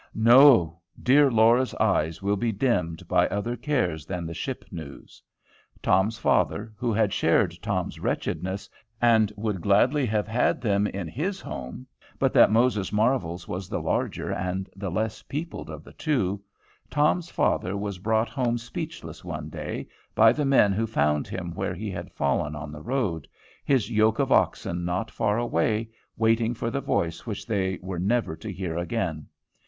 No! dear Laura's eyes will be dimmed by other cares than the ship news. Tom's father, who had shared Tom's wretchedness, and would gladly have had them at his home, but that Moses Marvel's was the larger and the less peopled of the two, Tom's father was brought home speechless one day, by the men who found him where he had fallen on the road, his yoke of oxen not far away, waiting for the voice which they were never to hear again.